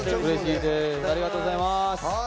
ありがとうございます。